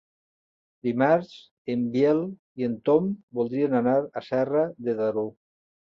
Dimarts en Biel i en Tom voldrien anar a Serra de Daró.